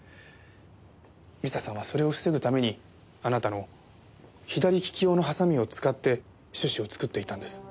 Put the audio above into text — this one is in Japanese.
未紗さんはそれを防ぐためにあなたの左利き用のハサミを使ってシュシュを作っていたんです。